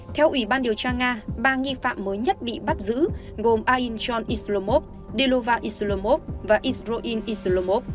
theo ủy ban điều tra nga ba nghi phạm mới nhất bị bắt giữ gồm aynchon islomov dilovar islomov và izroin islomov